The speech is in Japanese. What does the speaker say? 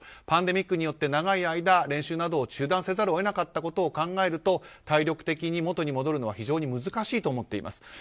パンデミックによって長い間、練習などを中断せざるを得なかったことを考えると体力的に元に戻るのは非常に難しいと思っています。